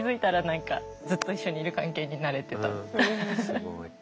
すごい。